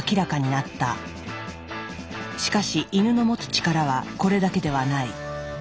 しかしイヌの持つ力はこれだけではない。